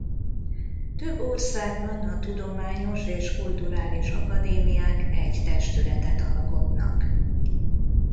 Több országban a tudományos és kulturális akadémiák egy testületet alkotnak.